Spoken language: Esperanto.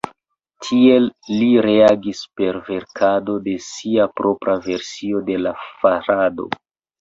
Tiel li reagis per verkado de sia propra versio de la farado.